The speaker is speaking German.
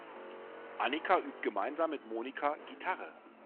Annika übt gemeinsam mit Monika Gitarre.